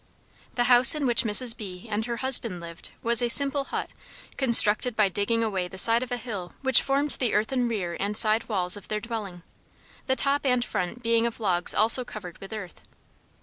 The house in which Mrs. B and her husband lived was a simple hut constructed by digging away the side of a hill which formed the earthen rear and side walls of their dwelling, the top and front being of logs also covered with earth.